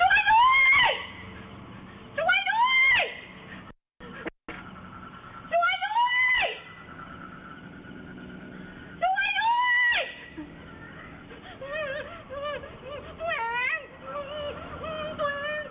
ช่วยด้วยช่วยด้วยช่วยด้วยช่วยด้วยช่วยด้วยช่วยด้วย